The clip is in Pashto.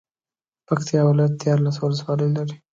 پکتيا ولايت ديارلس ولسوالۍ لري.